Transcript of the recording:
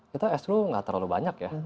kita escrow nggak terlalu banyak ya